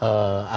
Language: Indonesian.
pak boyamin ya